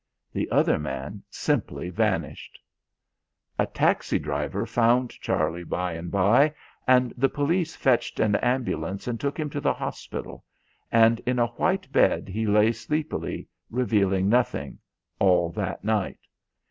The other man simply vanished. A taxi driver found Charlie by and by, and the police fetched an ambulance and took him to the hospital, and in a white bed he lay sleepily, revealing nothing, all that night.